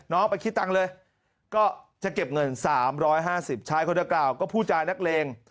น้องไปคิดตังค์เลยก็จะเก็บเงิน๓๕๐บาทชายเขาด้วยกล่าวก็ผู้จานนักเลง